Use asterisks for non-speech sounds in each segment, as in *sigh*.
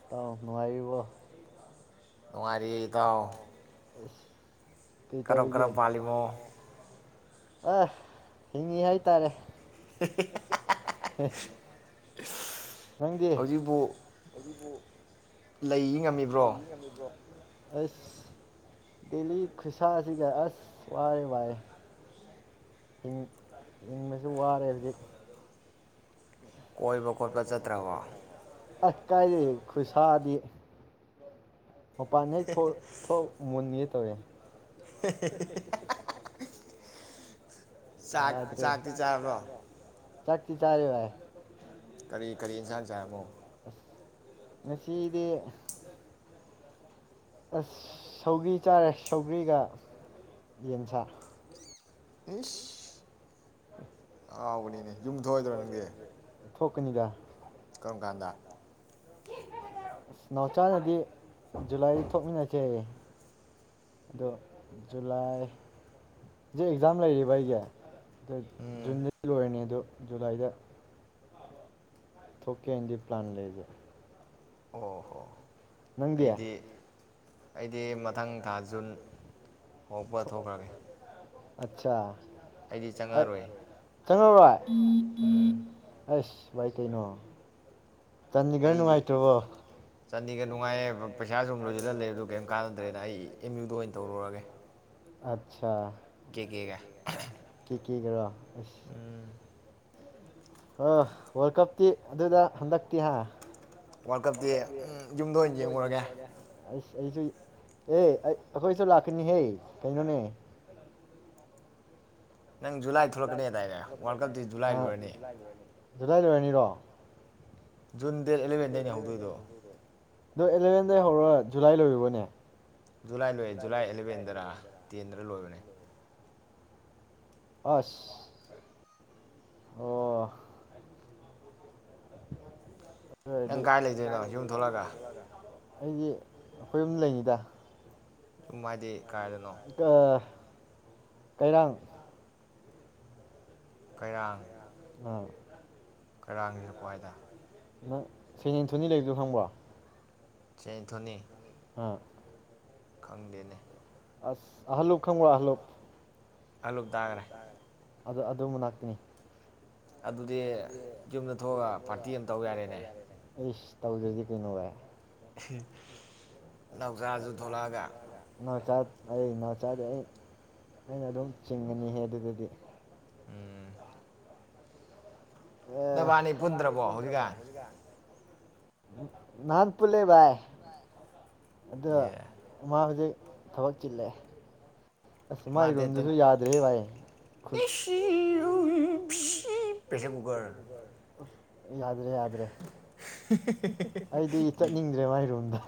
ꯏꯇꯥꯎ ꯅꯨꯡꯉꯥꯏꯔꯤꯕꯣ ꯅꯨꯉꯥꯏꯔꯤꯌꯦ ꯏꯇꯥꯎ ꯀꯩ ꯇꯧꯔꯤꯒꯦ ꯑ ꯍꯤꯡꯉꯤ ꯍꯥꯏꯇꯥꯔꯦ ꯍꯧ ꯍꯦ ꯅꯪꯒꯤ ꯂꯩ ꯉꯝꯃꯤꯕ꯭ꯔꯣ ꯑꯁ ꯗꯦꯂꯤ ꯈꯨꯠꯁꯥꯁꯤꯒ ꯑꯁ ꯋꯥꯔꯦ ꯋꯥꯔꯦ ꯍꯤꯡꯕꯁꯨ ꯋꯥꯔꯦ ꯍꯧꯖꯤꯛ ꯀꯣꯏꯕ ꯈꯣꯠꯄ ꯆꯠꯇ꯭ꯔꯕꯣ ꯀꯥꯏꯗꯦ ꯈꯨꯠꯁꯥꯗꯤ ꯃꯄꯥꯟ ꯍꯦꯛ ꯊꯣꯛ ꯊꯣꯛ ꯃꯨꯟꯒꯦ ꯇꯧꯋꯦ *unintelligible* ꯌꯥꯗ꯭ꯔꯦ ꯆꯥꯛꯇꯤ ꯆꯥꯔꯦ ꯚꯥꯏ ꯀꯔꯤ ꯀꯔꯤ ꯌꯦꯟꯁꯥꯡ ꯆꯥꯃꯣ ꯉꯥꯁꯤꯁꯤꯗ ꯑꯁ ꯁꯧꯒꯔꯤ ꯆꯥꯔꯦ ꯁꯧꯒ꯭ꯔꯤꯒ ꯌꯦꯟ ꯁꯥꯥ ꯏꯁ ꯑꯍꯥꯎꯕꯥꯅꯤ ꯌꯨꯝ ꯊꫭꯛ ꯑꯣꯏꯗ꯭ꯔꯥ ꯅꯪꯒꯤ ꯊꯣꯛꯀꯅꯤꯗ ꯀꯔꯝ ꯀꯥꯟꯗ ꯑꯁ ꯅꯥꯎꯆꯥꯅꯗꯤ ꯖꯨꯂꯥꯏ ꯊꯣꯛꯃꯤꯟꯅꯁꯦ ꯑꯗꯣ ꯖꯨꯂꯥꯏ ꯍꯧꯖꯤꯛ ꯑꯦꯛꯖꯥꯝ ꯂꯩꯔꯤꯕ ꯑꯩꯒꯤ ꯖꯨꯟꯗ ꯑꯣꯏꯔꯅꯤ ꯑꯗꯣ ꯖꯨꯂꯥꯏꯗ ꯊꯣꯛ ꯀꯦ ꯏꯟꯗꯤ ꯄ꯭ꯂꯥꯟ ꯂꯩꯖ ꯑꯣ ꯍꯣ ꯑꯩꯗꯤ ꯑꯩ ꯑꯩꯗꯤ ꯃꯊꯪ ꯊꯥ ꯖꯨꯟ ꯍꯧꯔꯛꯄꯒꯥ ꯊꯣꯛꯈ꯭ꯔꯒꯦ ꯑꯆꯥꯥ ꯑꯩꯗꯤ ꯆꯪꯉꯛꯔꯣꯏ ꯏ ꯏ ꯑꯦꯁ ꯁꯏ ꯀꯩꯅꯣ ꯑꯩꯗꯤ ꯆꯠꯅꯤꯒ ꯅꯨꯡꯉꯥꯏꯌꯦ ꯄꯩꯁꯥ ꯁꯨꯝ ꯂꯣꯏꯁꯤꯜꯍꯜꯂꯦ ꯑꯗꯨ ꯀꯩꯝ ꯀꯥꯟꯅꯗ꯭ꯔꯦꯅ ꯑꯩ ꯑꯦꯝ ꯌꯨꯗ ꯑꯣꯏꯅ ꯇꯧꯔꯛꯑꯒꯦ ꯑꯆꯥ ꯀꯀꯒ ꯀ ꯀꯣ ꯑꯁ ꯑ ꯋꯥꯔꯜ ꯀꯞꯇꯤ ꯑꯗꯨꯗ ꯍꯟꯗꯛꯇꯤꯌꯥ ꯋꯥꯔꯜ ꯀꯞꯀꯤ ꯌꯨꯝꯗ ꯑꯣꯏꯅ ꯌꯦꯡꯉꯨꯔꯒꯦ ꯑꯁ ꯑꯩꯁꯨ ꯑꯦ ꯑꯩ ꯑꯩꯈꯣꯏꯁꯨ ꯂꯥꯛꯀꯅꯤꯍꯦ ꯀꯩꯅꯣꯅꯦ ꯅꯪ ꯖꯨꯂꯥꯏ ꯊꯣꯛꯂꯛꯀꯅꯤ ꯗꯥꯏꯔ ꯋꯥꯔꯜ ꯀꯞꯇ ꯖꯨꯂꯥꯏ ꯂꯣꯏꯔꯅꯤ ꯖꯂꯥꯏ ꯂꯣꯏꯔꯅꯤꯔꯣ ꯖꯨꯟ ꯗꯦꯠ ꯑꯦꯂꯕꯦꯟ ꯗꯩꯅꯦ ꯍꯧꯗꯣꯏꯗꯣ ꯑꯣ ꯑꯦꯂꯚꯦꯟꯗꯩ ꯍꯧꯔꯣ ꯖꯨꯂꯥꯏ ꯂꯣꯏꯔꯨꯔꯣꯅꯦ ꯖꯨꯂꯥꯏ ꯂꯣꯏ ꯖꯨꯂꯥꯏ ꯑꯦꯂꯚꯦꯟꯗꯔ ꯇꯦꯟꯗꯔ ꯂꯣꯏꯕꯅꯦ ꯑꯁ ꯑꯣ ꯔ *unintelligible* ꯑꯩꯗꯤ ꯑꯩꯈꯣꯏ ꯂꯩꯅꯤꯗ ꯑ ꯀꯩꯔꯪ ꯀꯔꯥꯡ ꯑꯥ ꯀꯔꯥꯡꯒꯤꯔꯄ꯭ꯏꯗ ꯅꯪ ꯁꯅꯤꯊꯨꯅꯤ ꯂꯩꯕꯗꯣ ꯈꯪꯕ꯭ꯔꯣ ꯁꯊꯣꯅꯤ ꯍꯥ ꯈꯪꯗꯦꯅꯦ ꯑꯁ ꯑꯍꯜꯂꯨꯞ ꯈꯪꯕꯔ ꯑꯍꯜꯂꯨꯞ ꯑꯂꯨꯞ ꯇꯥꯈ꯭ꯔꯦ ꯑꯗꯨ ꯑꯗꯨꯃꯅꯥꯛꯇꯅꯤ꯫ ꯑꯗꯨꯗꯤ ꯌꯨꯝꯗ ꯊꯣꯛꯑꯒ ꯄꯥꯔꯇꯤ ꯑꯃ ꯇꯧ ꯌꯥꯔꯦꯅꯦ ꯏꯁ ꯇꯧꯗ꯭ꯔꯗꯤ ꯀꯩꯅꯣ ꯕꯥꯏ꯫ ꯅꯥꯎꯁꯥꯁꯨ ꯊꯣꯛꯂꯛꯑꯒ ꯏꯅꯥꯎꯆꯥ ꯑꯩ ꯏꯅꯥꯎꯆꯥꯗꯤ ꯑꯩ ꯑꯩꯅ ꯑꯗꯨꯝ ꯆꯤꯡꯒꯅꯤꯍꯦ ꯑꯗꯨꯗꯗꯤ ꯎꯝ ꯅꯕꯟꯅꯤ ꯄꯨꯟꯗ꯭ꯔꯕꯣ ꯍꯧꯖꯤꯛꯀꯥꯟ꯫ ꯅ ꯅꯍꯥꯟ ꯄꯨꯟꯂꯦ ꯚꯥꯢ꯫ ꯑꯗꯨ ꯃꯥ ꯍꯧꯖꯤꯛ ꯊꯕꯛ ꯆꯤꯜꯂꯦ *unintelligible* ꯄ꯭ꯔꯦꯁꯔ ꯀꯨꯀꯔ ꯌꯥꯗꯔꯦ ꯌꯥ ꯑꯩꯗꯤ ꯆꯠꯅꯤꯡꯗ꯭ꯔꯦ ꯃꯥꯏ ꯔꯨꯝꯗ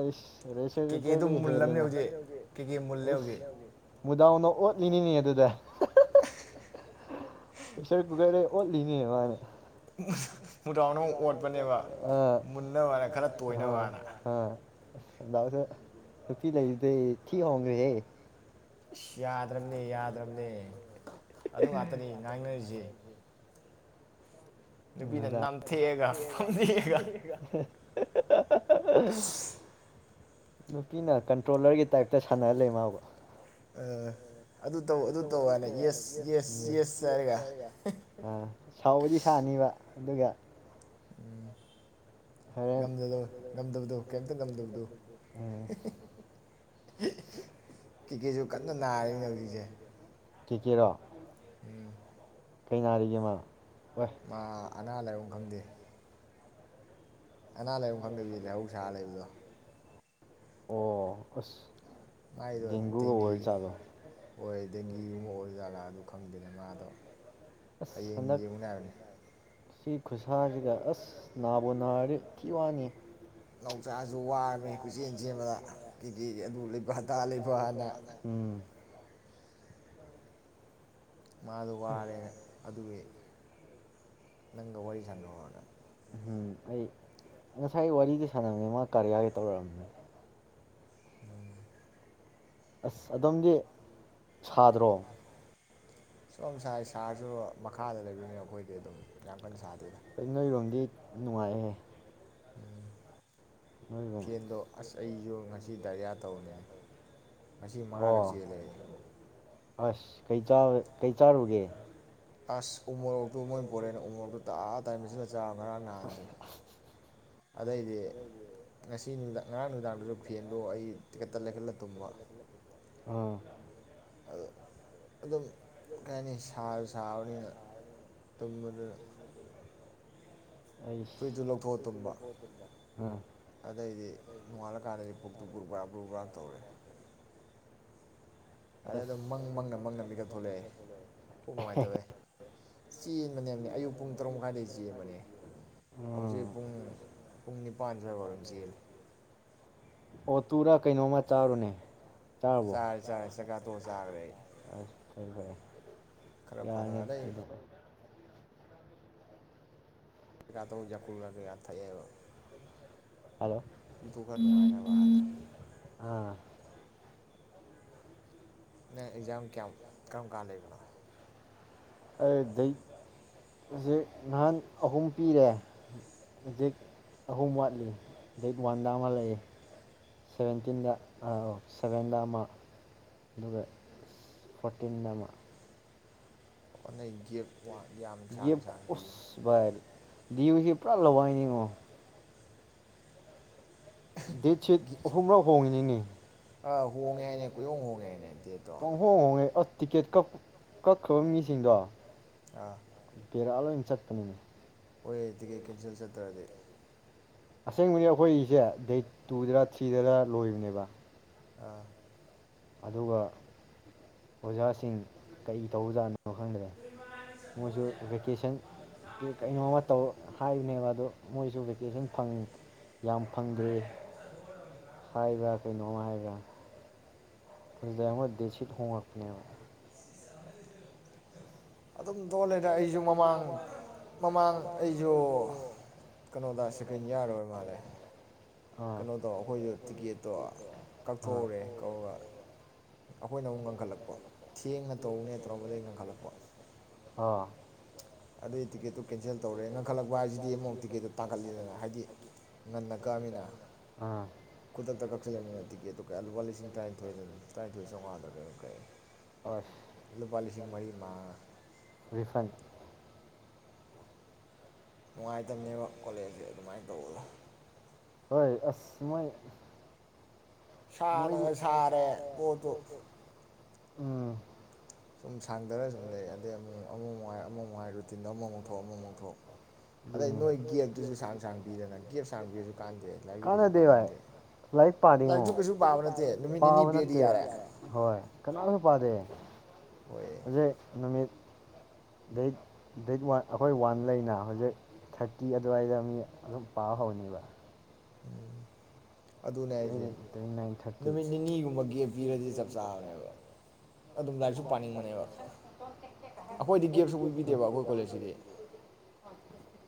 ꯑꯩꯁ ꯔꯦꯁꯀꯨꯀꯔꯗꯩꯩ ꯍꯦꯜꯂꯤꯉꯣ ꯏꯁ ꯃꯨꯗꯥꯎꯅ ꯑꯣꯠꯂꯤꯅꯤꯅꯦ ꯑꯗꯨꯗ ꯄꯦꯁꯔ ꯀꯨꯀꯔꯗꯩꯩ ꯑꯣꯜꯂꯤꯅꯦ ꯃꯥꯅ ꯃꯨꯗꯥꯎꯅꯃꯨꯛ ꯑꯣꯠꯄꯅꯦꯕ ꯃꯨꯟꯅꯕꯅ ꯈꯔ ꯇꯣꯏꯅꯕꯅ꯫ *unintelligible* ꯅꯨꯄꯤ ꯂꯩꯒꯤꯗꯩꯩ ꯊꯤꯅ ꯍꯣꯡꯒꯔꯦꯍꯦ ꯁꯤ ꯌꯥ ꯌꯥꯗ꯭ꯔꯝꯅꯦ ꯌꯥꯗ꯭ꯔꯝꯅꯦ ꯑꯗꯨ ꯉꯥꯛꯇꯅꯤ ꯉꯥꯡꯅꯔꯤꯁꯤ꯫ ꯅꯨꯄꯤꯅ ꯅꯝꯊꯦꯛꯑꯒ ꯐꯝꯊꯦꯛꯑꯒ ꯅꯨꯄꯤꯅ ꯀꯟꯇ꯭ꯔꯣꯂꯔꯒꯤ ꯇꯥꯏꯞꯇ ꯁꯥꯟꯅ ꯂꯩꯔꯦ ꯃꯥꯕ ꯌꯦꯁ ꯌꯦꯁ ꯌꯦꯁ *inaudible* ꯁꯕꯨꯗꯤ ꯁꯥꯅꯤꯕ ꯑꯗꯨꯒ ꯎꯝ ꯉꯝꯗꯦꯗ ꯉꯝꯗꯕꯗꯣ ꯀꯩꯝꯇ ꯉꯝꯗꯕꯗꯣ ꯀꯦꯀꯦꯁꯨ ꯀꯟꯅ ꯅꯥꯔꯤꯅꯦ ꯍꯧꯖꯤꯛꯁꯦ ꯀꯦꯀꯦꯔꯣ ꯎꯝ ꯀꯩ ꯅꯥꯔꯤꯒꯦ ꯃꯥ ꯃꯥ ꯑꯅꯥ ꯂꯥꯏꯌꯦꯡ ꯈꯪꯗꯦ ꯑꯅꯥ ꯂꯥꯏꯌꯣꯡ ꯈꯪꯗꯕꯤ ꯂꯥꯏꯍꯧ ꯁꯥꯔ ꯂꯩꯕꯗꯣ ꯑꯣ ꯑꯁ ꯃꯥꯏꯗꯣ ꯗꯦꯡꯒꯤ ꯑꯣꯏ ꯗꯦꯡꯒꯤꯒꯨꯝꯕ ꯑꯣꯏꯖꯥꯠ ꯂꯥ ꯑꯗꯨ ꯈꯪꯗꯅꯦ ꯃꯥꯗꯣ ꯍꯌꯦꯡ ꯌꯦꯡꯉꯨ ꯅꯤ ꯍꯥꯏꯕꯅꯤ ꯁꯤ ꯈꯨꯠꯁꯥꯁꯤꯗ ꯑꯁ ꯅꯥꯕꯨ ꯅꯥꯔꯗꯤ ꯊꯤ ꯋꯥꯅꯤ ꯅꯥꯎꯆ ꯋꯥꯔꯃꯦ ꯀꯣꯏꯆꯦꯟ ꯆꯦꯟꯕꯗ ꯀꯦꯒꯦ ꯑꯗꯨ ꯂꯩꯕ ꯇꯥꯂꯤꯕꯅ ꯃꯥꯗꯣ ꯋꯥꯔꯦ ꯑꯗꯨꯒꯤ ꯅꯪꯒ ꯋꯥꯔꯤ ꯁꯥꯟꯅꯔꯣꯅ꯫ ꯎꯝ ꯑꯩ ꯉꯁꯥꯏ ꯋꯥꯔꯤꯗꯤ ꯁꯥꯟꯅꯕꯅꯦ ꯃꯥ ꯀꯔꯤꯌꯥꯒꯤ ꯇꯧꯔꯛꯑꯝꯕꯅꯦ ꯎꯝ ꯑꯁ ꯑꯗꯣꯝꯗꯤ ꯁꯥꯗ꯭ꯔꯣ ꯁꯝ ꯁꯥꯏ ꯁꯥꯔꯁꯨ ꯃꯈꯥꯗ ꯂꯩꯕꯤꯅꯤ ꯑꯩꯈꯣꯏꯗꯤ ꯑꯗꯨꯝ ꯌꯥꯝ ꯀꯟꯅ ꯁꯥ *inaudible* ꯔꯣꯟꯗꯤ ꯅꯨꯡꯉꯥꯏꯌꯦ ꯐꯦꯟꯗꯣ ꯑꯁ ꯑꯩꯁꯨ ꯉꯁꯤ ꯗꯥꯏꯔꯤꯌꯥ ꯇꯧ *unintelligible* ꯉꯁꯤ ꯃꯉꯥꯔꯛ ꯆꯦꯜꯂꯦ ꯑꯩ ꯑꯁ ꯀꯩ ꯆꯥꯔꯨ ꯀꯩ ꯆꯥꯔꯨꯒꯦ ꯑꯁ ꯎꯃꯣꯔꯛ ꯇꯣ ꯃꯣꯏꯅ ꯄꯣꯔꯛ ꯑꯦꯅ ꯎꯃꯣꯔꯛꯇꯣ ꯇꯞꯇꯥꯏ ꯃꯦꯁꯟꯂ *inaudible* ꯉꯔꯥꯡ ꯅꯍꯥꯟꯁꯦ ꯑꯗꯩꯗꯤ ꯉꯁꯤ ꯅꯨꯡꯗꯥꯡ ꯉꯔꯥꯡ ꯅꯨꯃꯤꯗꯥꯡꯗꯨꯁꯨ ꯐꯦꯟꯗꯣ ꯑꯩ ꯇꯤꯈꯠꯇꯅ ꯂꯩꯈꯠꯂꯒ ꯇꯨꯝꯕ ꯑꯝ ꯑꯗꯨ ꯑꯗꯨꯝ ꯀꯩ ꯍꯥꯏꯅꯤ ꯁꯥꯁꯨ ꯁꯥꯕꯅꯤꯅ ꯇꯨꯝꯕꯗ ꯐ꯭ꯨꯔꯤꯠꯇꯨ ꯂꯧꯊꯣꯛꯑ ꯇꯨꯝꯕ ꯑꯗꯩꯗꯤ ꯅꯣꯡꯉꯥꯜꯂꯀꯥꯟꯗꯗꯤ ꯄꯨꯛꯇꯨ ꯕꯨ꯭ꯔꯛ ꯕ꯭ꯔꯥꯛ ꯕꯨ꯭ꯔꯛ ꯕ꯭ꯔꯥꯛ ꯇꯧꯔꯦ ꯑꯗꯩ ꯑꯗꯨꯝ ꯃꯪ ꯃꯪꯅ ꯃꯪꯅ ꯃꯤꯀꯞ ꯊꯣꯛꯂꯛꯑꯦ ꯄꯨꯛ ꯅꯨꯡꯉꯥꯏ ꯇꯕꯩ ꯆꯦꯟꯕꯅꯦꯃꯤ ꯑꯌꯨꯛ ꯄꯨꯡ ꯇꯔꯨꯛ ꯃꯈꯥꯏꯗꯒꯤ ꯆꯦꯟꯕꯅꯦ ꯍꯧꯖꯤꯛ ꯄꯨꯡ ꯄꯨꯡ ꯅꯤꯄꯥꯟ ꯁ꯭ꯋꯥꯏꯐꯥꯎ ꯑꯗꯨꯝ ꯆꯦꯜꯂꯤꯦ ꯑꯣ ꯇꯨꯔꯥ ꯀꯩꯅꯣꯝꯃ ꯆꯥꯔꯨꯅꯦ ꯆꯔꯦ ꯆꯔꯦ ꯆꯥꯛꯆ ꯇꯣꯛꯑ ꯆꯥꯈ꯭ꯔꯦ ꯑꯩ ꯑꯁ ꯐꯔꯦ ꯐꯔꯦ ꯌꯥꯅꯤ ꯆꯥꯛꯆ ꯇꯣꯛꯑ *inaudible* *inaudible* ꯌꯥꯝ ꯊꯛꯑꯦꯕ ꯍꯜꯂꯣ ꯅꯪ ꯑꯦꯛꯖꯥꯝ ꯀꯌꯥꯝ ꯀꯔꯝ ꯀꯥꯟ ꯂꯩꯕꯅꯣ ꯑꯩ ꯗꯩꯠ ꯍꯧꯖꯤꯛ ꯅꯍꯥꯟ ꯑꯍꯨꯝ ꯄꯤꯔꯦ ꯍꯧꯖꯤꯛ ꯑꯍꯨꯝ ꯋꯥꯠꯂꯤ ꯗꯩꯠ ꯋꯥꯟꯗ ꯑꯃ ꯂꯩꯏ ꯁꯚꯦꯟꯇꯤꯟꯗ ꯁꯚꯦꯟꯗ ꯑꯃ ꯑꯗꯨꯒ ꯐꯣꯔꯇꯤꯟꯗ ꯑꯃ ꯑꯣ ꯒꯦꯐ ꯌꯦ ꯎꯁ ꯋꯥꯏ ꯗꯤꯌꯨꯁꯦ ꯄꯨꯔꯥ ꯂꯋꯥꯏꯅꯦ ꯉꯣ ꯗꯦꯠꯁꯤꯠ ꯑꯍꯨꯝꯔꯥꯎ ꯍꯣꯡꯉꯤ ꯅꯅꯦ ꯄ ꯍꯣꯡ ꯍꯣꯡꯉꯦ ꯑ ꯇꯤꯀꯦꯠ ꯀꯛ ꯀꯛ ꯈꯔꯕ ꯃꯤ ꯁꯤꯡꯗꯣ *unintelligible* ꯆꯄꯅꯤꯅꯦ ꯍꯣꯏ ꯌꯥ ꯇꯤꯛꯀꯦꯠ ꯀꯦꯟꯁꯦꯜ ꯆꯠꯇ꯭ꯔꯗꯤ ꯑꯁꯦꯡꯕꯅꯤ ꯑꯩꯈꯣꯏꯁꯦ ꯗꯦꯠ ꯇꯨ ꯗꯔ ꯊ꯭ꯔꯤ ꯗꯔ ꯂꯣꯏꯕꯅꯦꯕ ꯑꯥ ꯑꯗꯨꯒ ꯑꯣꯖꯥꯁꯤꯡ ꯀꯩ ꯇꯧꯕꯖꯥꯠꯅꯣ ꯀꯩꯅꯣ ꯈꯪꯗ꯭ꯔꯦ ꯃꯣꯏꯁꯨ ꯚꯦꯀꯦꯁꯟ ꯀꯩꯅꯣꯝꯃ ꯇꯧ ꯍꯥꯏꯕꯅꯦꯕ ꯑꯗꯣ ꯃꯣꯏꯁꯨ ꯚꯦꯀꯦꯁꯟ ꯐꯪ ꯌꯥꯝ ꯐꯪꯗ꯭ꯔꯦ ꯍꯥꯏꯕ ꯀꯩꯅꯣ ꯍꯥꯏꯕ꯭ꯔ *inaudible* *inaudible* ꯍꯣꯡꯉꯛ ꯑꯅꯦꯕ ꯑꯗꯨꯝ ꯇꯣꯜꯂꯦꯗ ꯑꯩꯁꯨ ꯃꯃꯥꯡ ꯃꯃꯥꯡ ꯑꯩꯁꯨ ꯀꯩꯅꯣꯗ ꯁꯦꯀꯦꯟ ꯌꯥꯔꯣꯏ ꯃꯥꯜꯂꯦ ꯀꯩꯅꯣꯗꯣ ꯑꯩꯈꯣꯏꯗ ꯇꯤꯀꯦꯠꯇꯣ ꯀꯛꯊꯣꯛꯎꯔꯦ ꯀꯧꯔꯒ ꯑꯩꯈꯣꯏꯅ ꯑꯃꯨꯛ ꯉꯟꯈꯠꯂꯛꯄ ꯊꯦꯡꯅ ꯇꯧꯅꯤ ꯇꯧꯔꯝ ꯕꯗꯩ ꯉꯟꯈꯠꯂꯛꯄ ꯑꯥ ꯑꯗꯨꯏ ꯇꯤꯛꯀꯦꯠꯇꯨ ꯀꯦꯟꯁꯦꯜ ꯇꯧꯔꯦ ꯉꯟꯈꯠꯂꯛꯄ ꯍꯥꯏꯁꯤꯗꯤ ꯑꯃꯨꯛ ꯇꯤꯛꯀꯦꯠꯇꯨ ꯇꯥꯡꯈꯠꯂꯤꯗꯅ ꯍꯥꯏꯗꯤ ꯉꯟꯅ ꯀꯛꯑꯝꯃꯤꯅ ꯈꯨꯗꯛꯇ ꯀꯛꯁꯤꯜꯂꯃꯤꯅ ꯇꯤꯀꯦꯠꯇꯨ ꯀ ꯂꯨꯄꯥ ꯂꯤꯁꯤꯡ ꯇꯔꯥꯅꯤꯊꯣꯏꯗ ꯇꯔꯥꯅꯤꯊꯣꯏ ꯆꯥꯝꯃꯉꯥꯗ ꯀꯩꯅꯣ ꯀꯛꯑꯦ ꯂꯨꯄꯥ ꯂꯤꯁꯤꯡ ꯃꯔꯤ ꯃꯥꯡꯉ *inaudible* ꯅꯨꯡꯉꯥꯏꯇꯕꯅꯦꯕ ꯀꯣꯂꯦꯖꯁꯦ ꯑꯗꯨꯃꯥꯏꯅ ꯇꯧꯕꯗꯣ ꯍꯣꯏ ꯑꯁ ꯃꯣꯏ ꯁꯅ ꯁꯔꯦ ꯄꯣꯠꯇꯨ ꯎꯝ ꯁꯨꯝ ꯁꯥꯡꯗꯅ ꯁꯨꯝ ꯂꯩ ꯑꯗꯩ ꯑꯃꯃꯨꯛ ꯍꯥꯏ ꯑꯃꯃꯨꯛ ꯍꯥꯏ ꯔꯨꯇꯤꯟꯗꯣ ꯑꯃꯃꯨꯛ ꯊꯣꯛ ꯑꯃꯃꯨꯛ ꯊꯣꯛ ꯀꯥꯟꯅꯗꯦ ꯕꯥꯏ ꯂꯥꯏꯔꯤꯛ ꯄꯥꯅꯤꯡꯉꯣ ꯄꯥꯕ ꯅꯠꯇꯦꯕ ꯍꯣꯏ ꯀꯅꯥꯁꯨ ꯄꯥꯗꯦ ꯍꯧꯖꯩ ꯅꯨꯃꯤꯠ *inaudible* ꯑꯩꯈꯣꯏ ꯋꯥꯟ ꯂꯩꯅ ꯍꯧꯖꯤꯛ ꯊ꯭ꯔꯇꯤ ꯑꯗꯨꯋꯥꯏꯗ ꯃꯤ ꯑꯗꯨꯝ ꯄꯥ ꯍꯧꯅꯦꯕ ꯎꯝ ꯅꯥꯏꯟ ꯊꯥꯔꯇꯤ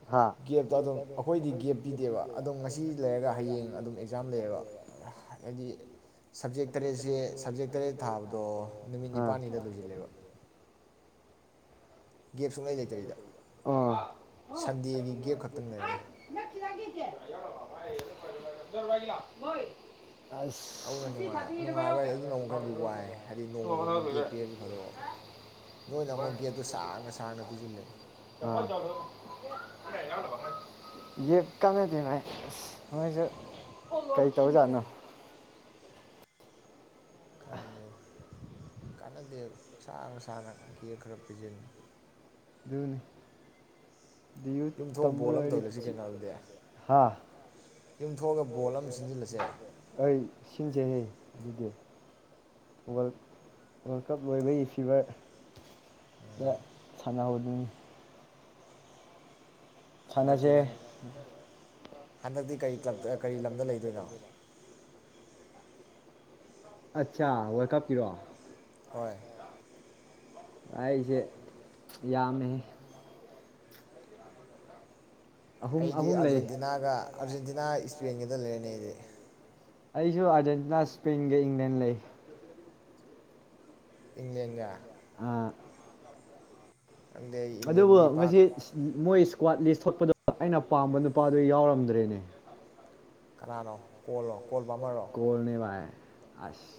*inaudible* ꯒꯦꯞꯇꯣ ꯑꯗꯨꯝ ꯑꯩꯈꯣꯏꯗꯤ ꯒꯦꯞ ꯄꯤꯗꯦꯕ ꯑꯗꯨꯝ ꯉꯁꯤ ꯂꯩꯔꯒ ꯍꯌꯦꯡ ꯑꯗꯨꯝ ꯑꯦꯛꯖꯥꯝ ꯂꯩ ꯂꯩꯕ ꯍꯥꯏꯗꯤ ꯁꯞꯖꯦꯛ ꯇꯔꯦꯠꯁꯦ ꯁꯞꯖꯦꯛ ꯇꯔꯦꯠ ꯊꯥꯕꯗꯣ ꯅꯨꯃꯤꯠ ꯅꯤꯄꯥꯜꯅꯤꯗ ꯂꯣꯏꯁꯤꯜꯂꯦꯕ ꯑꯣ ꯁꯟꯗꯦꯒꯤ ꯒꯦꯞ ꯈꯛꯇꯪ ꯂꯩꯔꯒ *unintelligible* ꯑꯁ *inaudible* *inaudible* ꯑ ꯌꯦꯞꯀꯥꯟꯅꯗꯤ ꯃꯥꯏ ꯑꯁ ꯃꯣꯏꯁꯨ ꯀꯩ ꯇꯧꯖꯥꯠꯅꯣ ꯑ ꯀꯥꯟꯅꯗꯦꯕ ꯁꯥꯡꯅ ꯁꯥꯡꯅ ꯒꯦꯞꯈꯔ ꯄꯤꯁꯤꯟ ꯑꯗꯨꯅꯤ ꯗꯤ ꯌꯨ ꯇꯝꯕ ꯂꯣꯏꯗꯤ ꯍꯥ ꯑꯩ ꯁꯤꯟꯖꯦ ꯍꯦ ꯑꯗꯨꯗꯤ ꯋꯥꯔꯜ ꯋꯥꯔꯜ ꯀꯞ ꯂꯣꯏꯕꯒꯤ ꯐꯤꯚꯔꯗ ꯁꯥꯟꯅꯍꯧꯅꯤꯡꯉꯅꯤ ꯁꯥꯟꯅꯁꯦ ꯍꯟꯗꯛꯇꯤ ꯀꯔꯤ ꯀ꯭ꯂꯇ ꯀꯔꯤ ꯂꯝꯗ ꯂꯩꯗꯣꯏꯅꯣ ꯑꯠꯆꯥ ꯋꯥꯔꯜ ꯀꯞ ꯀꯤꯔꯣ ꯍꯣꯏ ꯑꯩꯁꯦ ꯌꯥꯃꯦ ꯑꯩꯗꯤ ꯑꯥꯔꯖꯦꯟꯇꯤꯅꯥꯒ ꯑꯥꯔꯖꯦꯟꯇꯤꯅꯥ ꯏꯁꯄꯦꯟꯒꯗ ꯂꯩꯔꯅꯤ ꯑꯩꯗꯤ ꯑꯩꯁꯨ ꯑꯥꯔꯖꯦꯟꯇꯤꯅꯥ ꯏꯁꯄꯦꯟꯒ ꯏꯪꯂꯦꯟ ꯂꯩ ꯏꯪꯂꯦꯟꯒ ꯑ ꯑꯗꯨꯕꯨ ꯉꯁꯤ ꯃꯣꯏ ꯏꯁꯀ꯭ꯋꯥꯠ ꯂꯤꯁ ꯊꯣꯛꯄꯗꯨ ꯑꯩꯅ ꯄꯥꯝꯕ ꯅꯨꯄꯥꯗꯨ ꯌꯥꯎꯔꯝꯗ꯭ꯔꯦꯅꯦ ꯀꯅꯥꯅꯣ ꯀꯣꯜꯂꯣ ꯀꯣꯜꯅꯦꯕ ꯑꯁ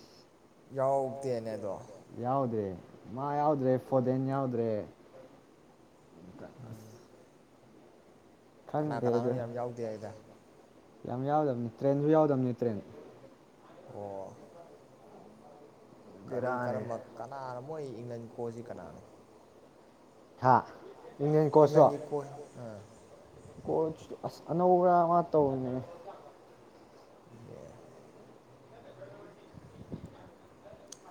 ꯌꯥꯎꯗꯦ ꯃꯥ ꯌꯥꯎꯗ꯭ꯔꯦ ꯐꯣꯗꯦꯟ ꯌꯥꯎꯗ꯭ꯔꯦ ꯀꯅꯥ ꯀꯅꯥꯅꯣ ꯌꯥꯝ ꯌꯥꯎꯗꯦ ꯑꯩꯗ ꯌꯥꯝ ꯌꯥꯎꯗꯕꯅꯤ ꯇ꯭ꯔꯦꯟꯁꯨ ꯌꯥꯎꯗꯕꯅꯤ ꯇ꯭ꯔꯦꯟ ꯑꯣ ꯀꯔꯤ ꯀꯔ ꯃ ꯀꯅꯥ ꯃꯣꯏ ꯏꯪꯪꯂꯟ ꯀꯣꯁꯤ ꯀꯅꯥꯅꯣ ꯊ ꯏꯪꯂꯟꯒꯤ ꯀꯣꯁ ꯑ ꯀꯣꯁ ꯑꯁ ꯑꯅꯧꯕ꯭ꯔꯥ ꯃꯥ ꯇꯧꯅꯦ ꯌꯦ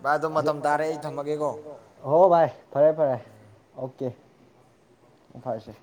ꯚꯥꯏ ꯑꯗꯣ ꯃꯇꯝ ꯇꯥꯔꯦ ꯑꯩ ꯊꯝꯃꯒꯦꯀꯣ ꯍꯣ ꯚꯥꯏ ꯐꯔꯦ ꯐꯔꯦ ꯑꯣꯀꯦ ꯎ ꯐꯔꯁꯦ